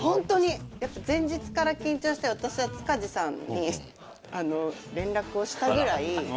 やっぱ前日から緊張して私は塚地さんに連絡をしたぐらい。